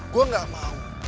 gue gak mau